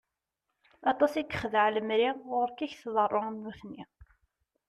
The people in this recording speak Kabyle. Aṭas i yexdeɛ lemri, ɣuṛ-k i k-tḍeṛṛu am nutni!